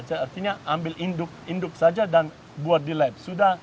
artinya ambil induk induk saja dan buat di lab